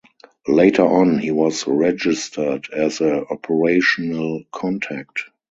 Later on he was registered as a operational contact.